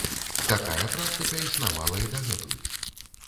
Такая практыка існавала і дагэтуль.